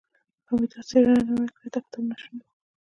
که مې دا څېړنه نه وای کړې دا کتاب ناشونی و.